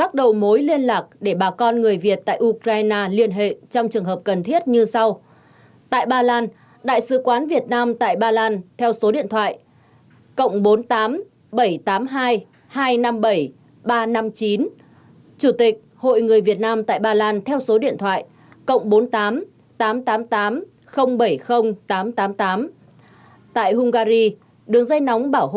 tại moldova đại sứ quán việt nam tại ukraine